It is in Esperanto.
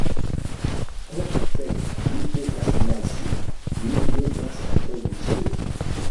Ho fek! Mi devas naĝi, mi devas trovi ĝin.